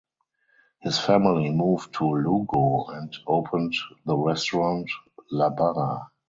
His family moved to Lugo and opened the restaurant "La Barra".